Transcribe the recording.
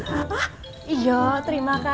hah iyo terima kasih pak